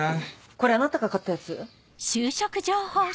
これあなたが買ったやつ？